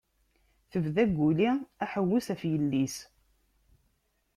Tebda Guli aḥewwes ɣef yelli-s.